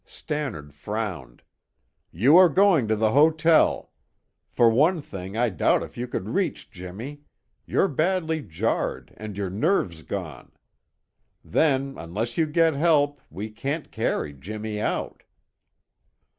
Stannard frowned. "You are going to the hotel. For one thing, I doubt if you could reach Jimmy; you're badly jarred and your nerve's gone. Then, unless you get help, we can't carry Jimmy out."